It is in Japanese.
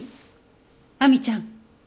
亜美ちゃん